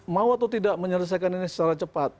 mau atau tidak menyelesaikan ini secara cepat